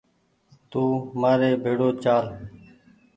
تو مآري ڀيڙو چآل